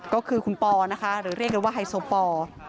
ก็คือคุณปอนะคะหรือเรียกกันว่าไฮโซปอร์